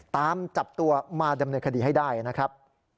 ตามจับตัวมาดำเนินคดีให้ได้นะครับ